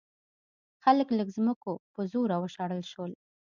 خلک له ځمکو په زوره وشړل شول.